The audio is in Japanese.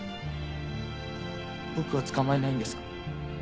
僕を捕まえないんですか？